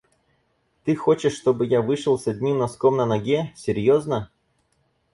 Ты хочешь, чтобы я вышел с одним носком на ноге? Серьёзно?